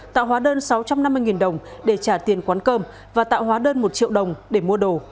tạo hóa đơn sáu trăm năm mươi đồng để trả tiền quán cơm và tạo hóa đơn một triệu đồng để mua đồ